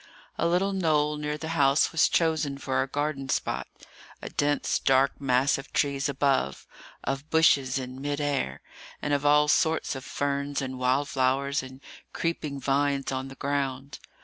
A little knoll near the house was chosen for a garden spot; a dense, dark mass of trees above, of bushes in mid air, and of all sorts of ferns and wild flowers and creeping vines on the ground.